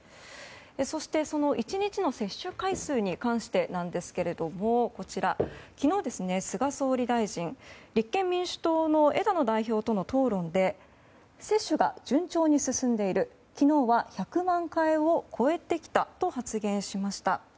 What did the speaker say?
そして、１日の接種回数に関してですが昨日、菅総理大臣立憲民主党の枝野代表との討論で接種が順調に進んでいる昨日は１００万回を超えてきたと発言しました。